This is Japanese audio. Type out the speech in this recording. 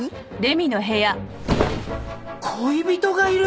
恋人がいる！？